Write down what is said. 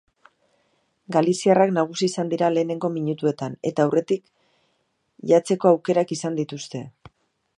Galiziarrak nagusi izan dira lehenengo minutuetan, eta aurretik jatzeko aukerak izan dituzte.